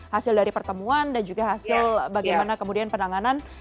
hasil dari pertemuan dan juga hasil bagaimana kemudian penanganan